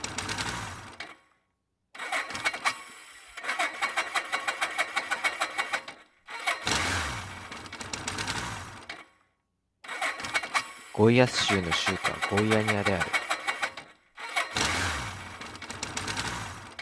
宮城県七ヶ浜町